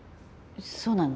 そうなの？